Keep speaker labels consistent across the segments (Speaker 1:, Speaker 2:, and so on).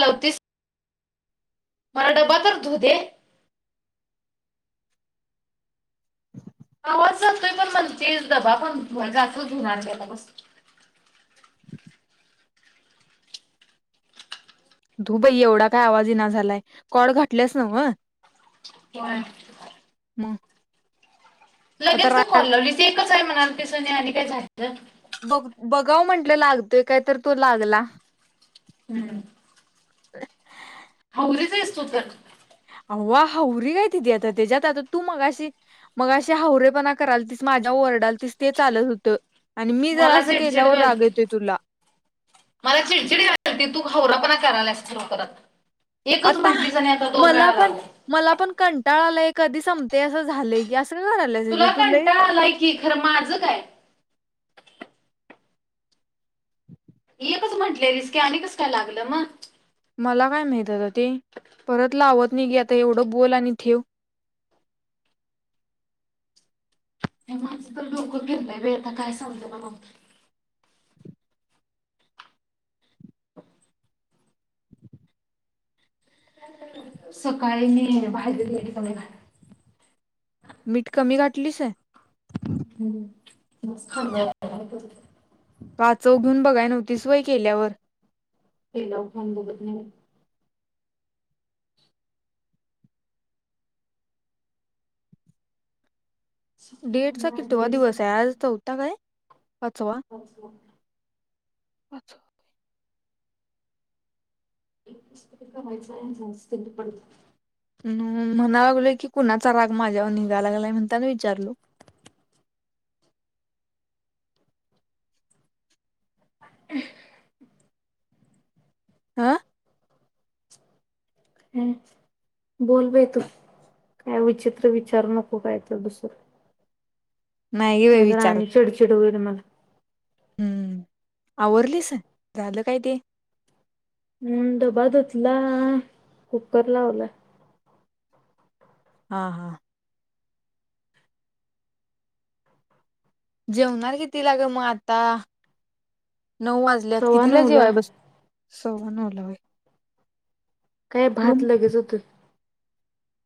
Speaker 1: लवतीस मरड [unintelligible] [inaudible]
Speaker 2: धु बाई एवढा काय आवाज ना झालाय कॉड घटलास ना व
Speaker 1: [unintelligible]
Speaker 2: आता
Speaker 1: लगेच
Speaker 2: रा
Speaker 1: [unintelligible] त एकच आहे म्हणा तसने आणि काय ते झायचं
Speaker 2: गाउ म्हंटलं लागतोय काय तर तो लागला
Speaker 1: हम्म
Speaker 2: [unintelligible]
Speaker 1: हौरीच आहेस तू तर
Speaker 2: व्हा हावररी ये ति आता त्याच्यात आता तू मगाशी मग अशी हावररेपणा कराल तीस माझ्या व रडलतीस ते चालत होत आणि मी जरा
Speaker 1: मला
Speaker 2: असं
Speaker 1: चिडचिड
Speaker 2: केल्यावर राग
Speaker 1: घालते
Speaker 2: येतोय तुला
Speaker 1: मला चिडचिड घालते तू होवरापना करायलास [unintelligible]
Speaker 2: आता
Speaker 1: म्हटलीस आणि आता दोन
Speaker 2: मला
Speaker 1: वेळा
Speaker 2: पण
Speaker 1: लावू
Speaker 2: मला पण कंटाळालाय हे कधी संपतेय अस झालंय की असं काय करायलास ते
Speaker 1: तुला
Speaker 2: तू लय
Speaker 1: कंटाळा आलाय की खरं माझं काय ते कस म्हटलंयस की आणि कस काय लागलं मग
Speaker 2: मला काय माहित ते परत लावत नि घ ये आता एवढं बोल आणि ठेव
Speaker 1: माणं तर डोकं फिरलंय बे आता काय समज ना सकाळी मी बाहेर गेली
Speaker 2: मीठ कमी घातलीस ये
Speaker 1: [inaudible]
Speaker 2: वा चव घेऊन बघाय नव्हतीस वय केल्यावर
Speaker 1: [unintelligible]
Speaker 2: डेट चा कितीवा दिवस आहे आज
Speaker 1: बोल
Speaker 2: चौथा काय
Speaker 1: पाचवा
Speaker 2: अच्छा
Speaker 1: पुस्तक वईसान सस स्ध पडू
Speaker 2: अम म्हणा लागलोय की कुणाचा राग माझ्यावर निघालागला नाही म्हणताना विचारलो.
Speaker 1: [unintelligible]
Speaker 2: ह
Speaker 1: ह बोलोलवे तू काय विचारायचे म विचारू नको काय तर दुसरं
Speaker 2: नाही बा
Speaker 1: नाहीतर
Speaker 2: विचारत
Speaker 1: आणि चिडचिड होईल मला
Speaker 2: हम्म आवरलीस झालं काय ते
Speaker 1: हम डबा धुतला कुकर लावला.
Speaker 2: हा हा जेवणार किती लाग मग आता नऊ वाजल्यात
Speaker 1: सवा
Speaker 2: कितीला
Speaker 1: नवला
Speaker 2: जेवाय बस सव्वा नऊ ला हय
Speaker 1: काय भात लगेच होत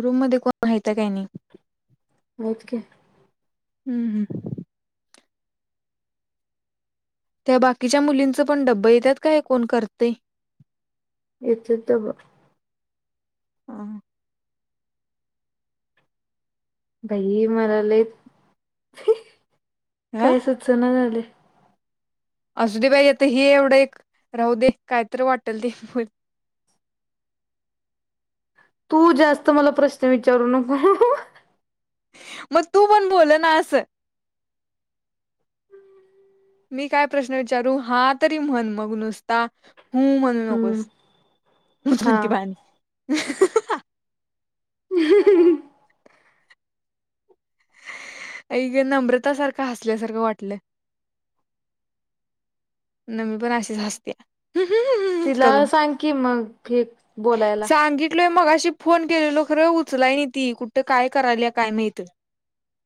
Speaker 2: रूममध्येध्ये कोण माहितं काही नाही.
Speaker 1: होय की.
Speaker 2: हम्म हम्म. त्या बाकीच्या मुलींचं पण डब्ब येतात काय कोण करतेय.
Speaker 1: यथे तर ब
Speaker 2: ह.
Speaker 1: भाई मणाले
Speaker 2: ह
Speaker 1: काय सुचना झाले.
Speaker 2: असु दे बाई आता ह एवढं एक राहू दे कायत वाटेल ते [inaudible]
Speaker 1: तू जास्त मला प्रश्न विचारू नको.
Speaker 2: मग तू पण बोलोल ना असं. मी काय प्रश्न विचारू हा तरी म्हण मग नुसता. ह म्हणू नकोस कोणती
Speaker 1: हा
Speaker 2: पाणी नम्रता सारखं हसल्यासारखं वाटलं. न मी पण अशीच हासते.
Speaker 1: तिला सांग की मग हे बोलायला.
Speaker 2: सांगितलोय मगाशी फोन केलेलो खरं उचलाय नाही ती कुठ काय करायल काय मात.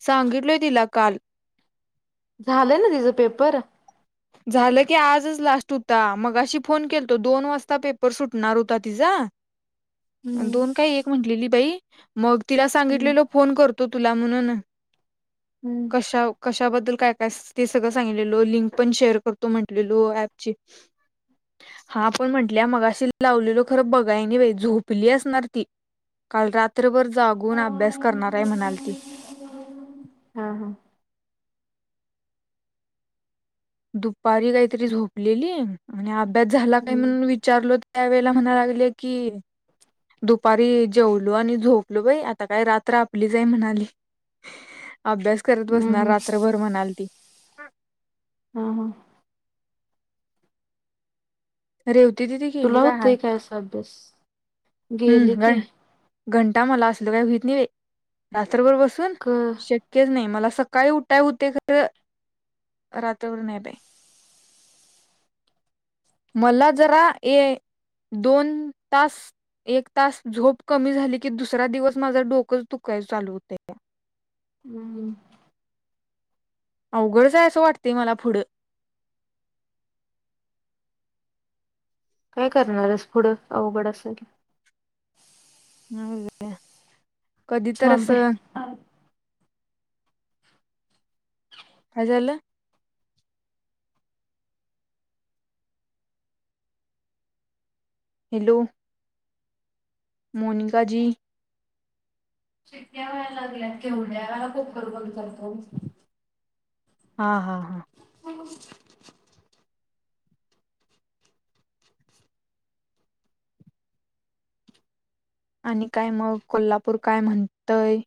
Speaker 2: सांगितलोय तिला काल.
Speaker 1: झालंय ना तिचं पेपर
Speaker 2: झालं की आजच लास्ट होता मगाशी फोन केल तो दोन वाजता पेपर सुटणार होता तिचा
Speaker 1: हम्म
Speaker 2: दोन काही एक म्हटलेली बाई मग. तिला
Speaker 1: हम्म
Speaker 2: सांगितलेलो फोन करतो तुला म्हणून
Speaker 1: हम्म
Speaker 2: कशाबद्दल काय काय ते सगळं सांगलेल लिंक. पण शेअर करतो म्हटलेलो ऍपची हा आपण म्हटल्या मग अशी लावलेलो खरं बघायने बा झोपली असणार ती. काल रात्रभर जागून अभ्यास करणाराय म्हणाल ती
Speaker 1: हा हा
Speaker 2: दुपारी काहीतरी झोपलेली आणि अभ्यास झाला का
Speaker 1: हम्म
Speaker 2: म्हणून विचारल. त्या वेला म्हणा लागले की दुपारी जेवलो आणि झोपलो बाई आता काय रात्र आपली जाई म्हणाली. अभ्यास करत
Speaker 1: हम्म
Speaker 2: बसणार
Speaker 1: हम्म
Speaker 2: रात्रभर म्हणाल ती
Speaker 1: हा हा.
Speaker 2: रेवती दीदी गेली
Speaker 1: तुला
Speaker 2: रानात
Speaker 1: होतय काय असा अभ्यास
Speaker 2: होय
Speaker 1: गेली
Speaker 2: का.
Speaker 1: की
Speaker 2: घंटा मला असल काय होईत नाही रात्रभर बसून
Speaker 1: क
Speaker 2: शक्यच नाही मला. सकाळी उठाय होते खर रात्रभर काही बाई. मला जरा ये. दोन तास एक तास झोप कमी झाली की दुसरा दिवस माझा डोकुच लगेच चालू होत का?
Speaker 1: हम्म.
Speaker 2: अवघडच असं वाटतेय मला पुढं.
Speaker 1: काय करणाररेस पुढं अवघड असेल.
Speaker 2: ह कधी तर
Speaker 1: थांब बाई
Speaker 2: असं. काय झालं. हॅलो. मोनिका जी
Speaker 1: शिट्ट्यावा लागल्यात केवड्या कुकर बंद करतो.
Speaker 2: हा हा हा.
Speaker 1: [unintelligible]
Speaker 2: आणि काय मग कोल्हापूर काय म्हणतय.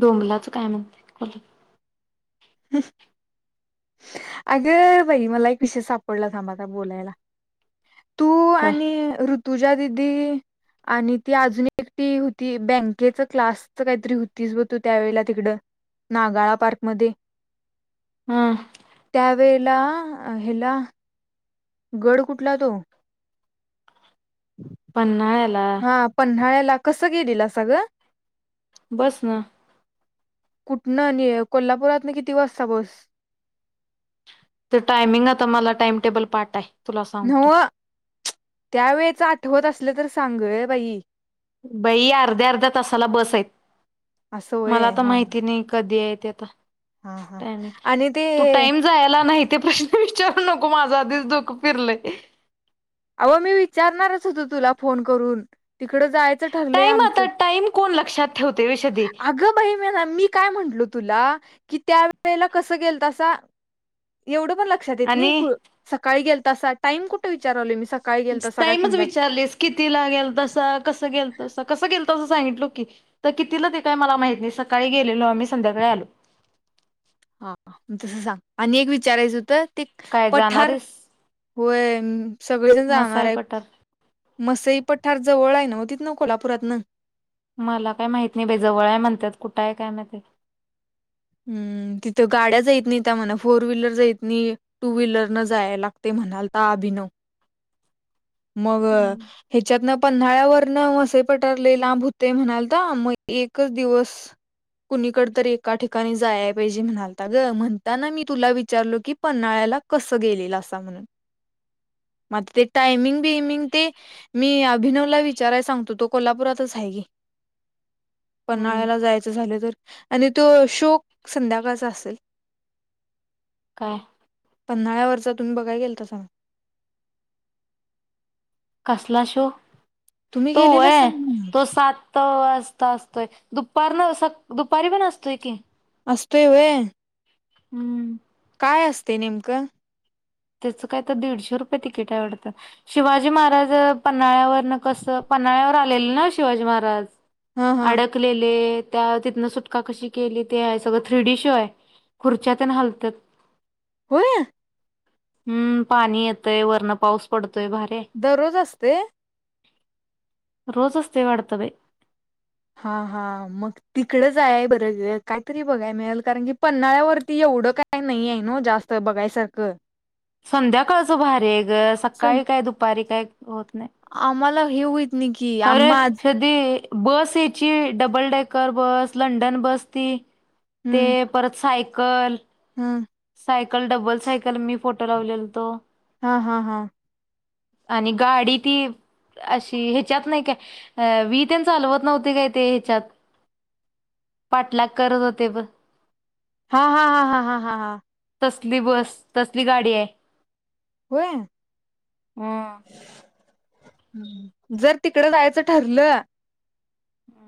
Speaker 1: डोंबलाचं काय म्हणते कोल्हापूर
Speaker 2: ह. अगं बाई मला एक विषय सापडला थांबआता बोलायला. तू
Speaker 1: काय
Speaker 2: आणि ऋतुजा दिदी आणि ती अजून एकटी होती बँकेच क्लासच काहीतरी होतीस ब तू त्यावेेळेला तिकडं नागाळा पार्कमध्ये
Speaker 1: हा
Speaker 2: त्यावेेळे ला हेला गड कुठला तो
Speaker 1: पन्हाळा
Speaker 2: हा पन्हाळ्याला कसं गेलेलं सा ग
Speaker 1: बस न
Speaker 2: कुठणं आणि कोल्हापुरात ना किती वाजता बस
Speaker 1: तर टायमिंग आता मला टाइमटेबल पाठा हाय
Speaker 2: नव्ह त्यावेेळेच आठवत असलं तर सांग बाई
Speaker 1: बाई अर्ध्या अर्ध्या तासाला बस आहेत
Speaker 2: असं
Speaker 1: मला
Speaker 2: व्हय
Speaker 1: तर
Speaker 2: हा
Speaker 1: माहिती नाही कधी आहेत
Speaker 2: हा हा आणि ते
Speaker 1: तू टाईम जायला नाही ते तू विचारू नको माझं आधीच डोक फिरलंय
Speaker 2: अवं मी विचारणारच होत तुला फोन करून तिकड जायचं ठरलंय
Speaker 1: टाइम
Speaker 2: आमचं
Speaker 1: आता टाइम कोण लक्षात ठेवते विषदी
Speaker 2: अग बहीण मी काय म्हटलो तुला की त्या वळेला कस गेलतासा एवढ पण लक्षात
Speaker 1: आणि
Speaker 2: येत सकाळी गेल तसा टाइम कुठे विचारवले मी सकाळी गेलतासा काय
Speaker 1: ताईमच
Speaker 2: संध्याकाळ
Speaker 1: विचारलीस कितीला गेल तसा कसं गेल तसं कसं गेल ते काय सांगितल की तर कितीला ते काय मला माहित नाही सकाळी गेलेलो मी संध्याकाळी आलो
Speaker 2: हा म तस सांग आणि एक विचारायचं होत ते
Speaker 1: काय जाणार
Speaker 2: पठार
Speaker 1: आहेस
Speaker 2: होय सगळेजण जाणार
Speaker 1: मसाई
Speaker 2: आहे
Speaker 1: पठार
Speaker 2: मसई पठार जवळय नव्ह ना कोल्हापुरात न
Speaker 1: मला काय माहित नाही बी जवळय म्हणतात कुठंय काय माहित ते
Speaker 2: हम् तिथं गाड्या जा येत नाही त्या मणा फोर व्हीलर जाय मी टू व्हीलर न जाय लागतेय म्हणाल ता अभिनव मग
Speaker 1: हम्म,
Speaker 2: ह्याच्यात न पन्हाळ्यावरून कुणीकडे तरी एका ठिकाणी जायला पाहिजे म्हणालता ग म्हणता ना मी तुला विचारलो की पन्हाळ्यात पन्हाळ्याला कसे गेलता ते मग ते टाइमिंग टायमिंग ते मी अभिनवला विचाराय सांगतो तो कोल्हापुरातच आहे कि
Speaker 1: हम्म.
Speaker 2: पन्हाळ्याला जायचं झालं तर आणि तो शोक संध्याकाळचा असेल
Speaker 1: काय
Speaker 2: पणा व पन्हाळ्यावरचा तुम्ही बघायला गेलता का सा
Speaker 1: ला शो
Speaker 2: तुम्ही
Speaker 1: तो
Speaker 2: गेलेलासा
Speaker 1: वय
Speaker 2: ना
Speaker 1: तो सात असतोय दुपार स दुपारी पण असतोय की.
Speaker 2: हसते हुए.
Speaker 1: हम्म.
Speaker 2: काय असते नेमकं.
Speaker 1: त्याच काय तर दीडशे रुपये तिकीट आवडतात शिवाजी महाराज पन्हाळ्यावरन कसं पन्हाळ्यावर आलेले ना शिवाजी महाराज
Speaker 2: हा हा
Speaker 1: अडकलेले त्या तिथनं सुटका कशी केली ते आहे सगळ थ्री डी शो आहे खुर्च्या ते हालतात.
Speaker 2: होय.
Speaker 1: हम्म पाणी येतय वर्ण पाऊस पडतो.
Speaker 2: दररोज असते.
Speaker 1: रोज असते वाटते.
Speaker 2: हा हा मग तिकडच आहे बर कायतरी बघाय मिळेल कारण की पन््हाळ्यावरती ये एढं काही नाहीय आहे न जास्त बघायसारखं.
Speaker 1: संध्याकाळचं भारी ग
Speaker 2: स-
Speaker 1: सकाळी काय दुपारी काय होत नाही.
Speaker 2: आम्हाला हे होईत नाही की
Speaker 1: खरं
Speaker 2: आम्हा आज
Speaker 1: सध बस याची double decker bus London bus ती ते
Speaker 2: हम्म
Speaker 1: परत सायकल.
Speaker 2: हम्म
Speaker 1: सायकल, डबल सायकल, मी फोटो लावलेल तो.
Speaker 2: हा. हा. हा.
Speaker 1: आणि गाडी ती अशी ह्याच्यात नाही काय वी तेन चालवत नव्हते काय ते ह्याच्यात. पाटलाग करत होते ब
Speaker 2: हा. हा. हा. हा. हा. हा. हा.
Speaker 1: तसली बस, तसली गाडी हाय,
Speaker 2: होय
Speaker 1: हम्.
Speaker 2: जर तिकडं जायचं ठरलं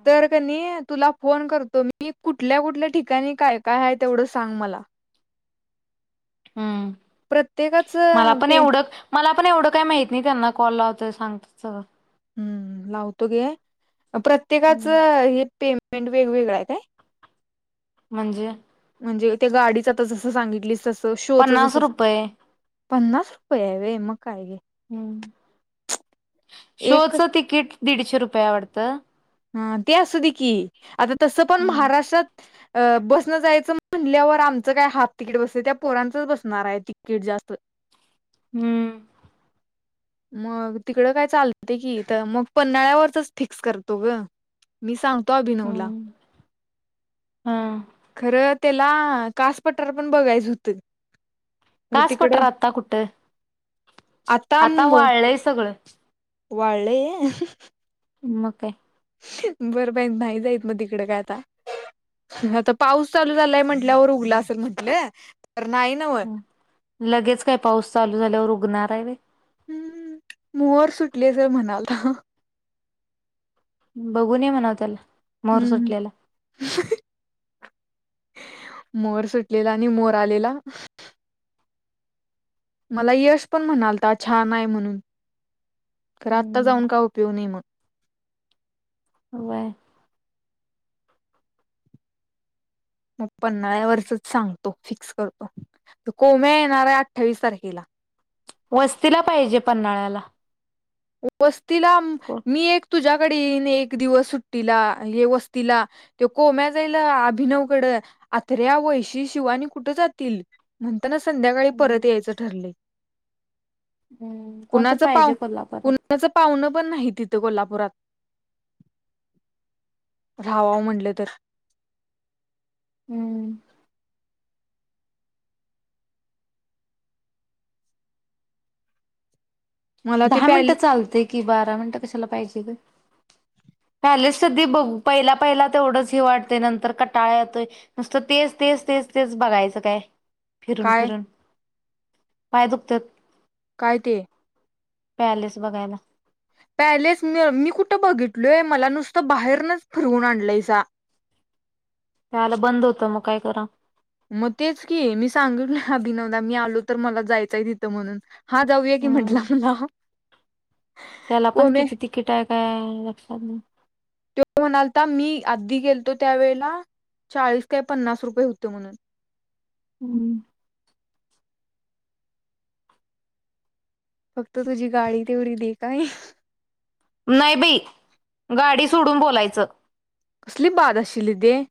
Speaker 2: तर कनी तुला फोन करतो मी, कुठल्या कुठल्या ठिकाणी काय काय आहे तेवढं सांग मला.
Speaker 1: हम्म,
Speaker 2: प्रत्येकाच
Speaker 1: मला पण
Speaker 2: पे
Speaker 1: एवढं मला पण एवढं काही माहत नाही त्यांना कॉल लावत तर सांगत सगळं.
Speaker 2: हम्, लावतो घे प्रत्येकाच
Speaker 1: हम्म
Speaker 2: हे पे पेंमेंट वेगवेगळ हाय काय?
Speaker 1: म्हणजे?
Speaker 2: म्हणजे, त्या गाडीच जसं सांगितलीस तसं शोच जस
Speaker 1: पन्नास रुपये
Speaker 2: पन्नास रुपये आहे व म काय ये.
Speaker 1: हम्म,
Speaker 2: एक
Speaker 1: शोच तिकीट दीडशे रुपय हाय वाडतं
Speaker 2: हम, ते असू दे की, आता तसं पण
Speaker 1: हम्म
Speaker 2: महाराष्ट्रात बसनं जायचं म्हणटल्यावर आमचं काय हाफ तिकीट बसतय, त्या पोरांचंच बसणार आहे तिकीट जास्त. [unintelligible] [inaudible]
Speaker 1: हम्म!
Speaker 2: मग तिकडं काय चालतय की तर, मग पन्नाळ्यावरचच फिक्स करतो ग. मी सांगतो अभिनवला.
Speaker 1: हम्म.
Speaker 2: खरं त्याला कास पटार पण बघायचं होतं. खरं
Speaker 1: कास
Speaker 2: तिकडं
Speaker 1: पठार आता कुठ, आता वाळलंय सगळं.
Speaker 2: वाळलय?
Speaker 1: मंग काय.
Speaker 2: बरं बाई नाही जाइत मग तिकड काय आता. आता पाऊस चालू झालाय म्हंटल्यावर उघला असेल म्हंटलं तर नाही नव
Speaker 1: ह. लगेच काय पाऊस चालू झाल्यावर उगणार आहे वय?
Speaker 2: हम्म, मोहर सुटले जर म्हणालता.
Speaker 1: बघून ये म्हणव त्याला मोहर
Speaker 2: हम्म!
Speaker 1: सुटलेला
Speaker 2: मोर सुटलेला आणि मोर आलेला मला यश पण म्हणालता छान हाय म्हणून खर आत्ता जाऊन
Speaker 1: हम्म
Speaker 2: काय उपयोग नइ म.
Speaker 1: व्हय.
Speaker 2: मग पन्हाळ्यावरचचं सांगतो, फिक्स करतो, कोम्या येणार आहे अठ्ठावीस तारखिला [unintelligible] [inaudible]
Speaker 1: वस्तीला पाहिजे पन्हाळ्याला
Speaker 2: वस्तीला
Speaker 1: कोण
Speaker 2: मी एक तुज्या कडे एक दिवस सुट्टीला, हे वस्तीला, तो कोम्या जाईल अभिनव कडं आत्र्या वयशी शिवानी कुठे जातील, म्हणताना संध्याकाळी परत यायचं ठरलंय.
Speaker 1: अं कोण तर पाहिजे कोल्हापूरात.
Speaker 2: पुण्याचं पाहुणं पण नाही तिथं कोल्हापुरात. राव्हावं म्हणलं तर
Speaker 1: [unintelligible]
Speaker 2: मला ते
Speaker 1: दहा
Speaker 2: प्याले
Speaker 1: मिनिटं चालते की बारा मिनिटं कशाला पाहिजे ग. [unintelligible] पहिला पहिला तेवढंच हे वाटतंय नंतर कटाळा यतोय नुसत तेच तेच तेच तेच बघायचं काय फिरून
Speaker 2: काय
Speaker 1: फिरून पाय दुखतात.
Speaker 2: काय ते
Speaker 1: पॅलेस बघायला.
Speaker 2: पॅलेस म मी कुठं बघितलोय मला नुसतं बाहेरनच फिरवून आणलायसा. [inaudible]
Speaker 1: त्याला बंद होत मग काय करा
Speaker 2: म तेच की मी सांगितलं नाही अभिनवदा मी आलो तर मला जायचय तिथं म्हणून हा जाऊया की
Speaker 1: हम्म
Speaker 2: म्हंटलं मला
Speaker 1: त्याला पण
Speaker 2: कोमे
Speaker 1: किती तिकीट आहे काय लक्षात नाही
Speaker 2: तो म्हणालता मी आधी गेलतो त्यावेेळेला चाळीस काय पन्नास रुपये होते म्हणून.
Speaker 1: हम्म.
Speaker 2: फक्त तुझी गाडी तेवढी दे [unintelligible]
Speaker 1: नाही बाई गाडी सोडून बोलायचं.
Speaker 2: कसली बाद. [unintelligible]